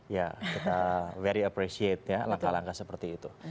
ya kita very appreciate ya langkah langkah seperti itu